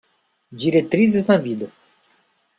Diretrizes na vida